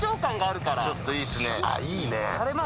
あっいいね。